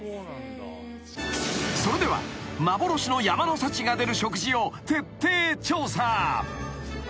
［それでは幻の山の幸が出る食事を徹底調査］